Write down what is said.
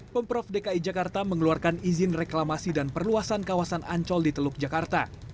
pemprov dki jakarta mengeluarkan izin reklamasi dan perluasan kawasan ancol di teluk jakarta